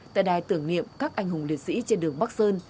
tại đài tưởng niệm các anh hùng liệt sĩ trên đường bắc sơn